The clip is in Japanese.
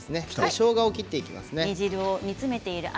しょうがを切っていきます。